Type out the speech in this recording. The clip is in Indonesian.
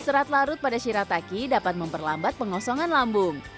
cerat larut pada cerataki dapat memperlambat pemotongan